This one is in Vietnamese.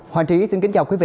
hòa trí xin kính chào quý vị